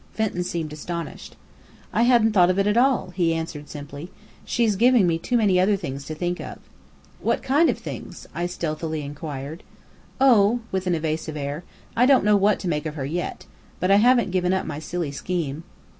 Fenton seemed astonished. "I hadn't thought of it at all," he answered simply. "She's giving me too many other things to think of." "What kind of things?" I stealthily inquired. "Oh," with an evasive air "I don't know what to make of her yet. But I haven't given up my silly scheme."